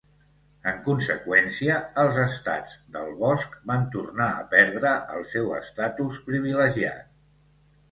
En conseqüència, els estats del bosc van tornar a perdre el seu estatus privilegiat.